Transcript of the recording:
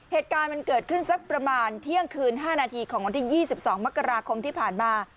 เหตุการณ์มันเกิดขึ้นสักประมาณเที่ยงคืน๕นาทีของวันที่๒๒มกราคมที่ผ่านมา